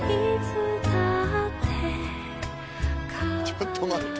ちょっと待って。